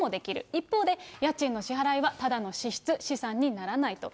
一方で、家賃の支払いはただの支出、資産にならないと。